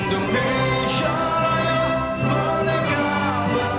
pemirsa dan hadirin sekalian